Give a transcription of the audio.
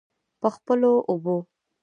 په خپلو اوبو.